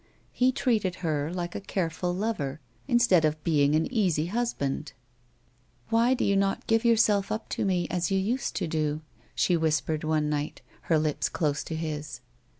He treated her like a careful lover, instead of being an easy husband. " Why do you not give yourself to me as you used to do ?" she whispered one night, her lips close to his.